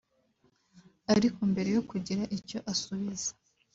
ariko mbere yo kugira icyo asubiza